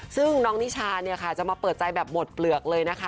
ซึ่งน้องนิชาเนี่ยค่ะจะมาเปิดใจแบบหมดเปลือกเลยนะคะ